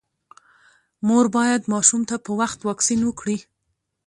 مور باید ماشوم ته په وخت واکسین وکړي۔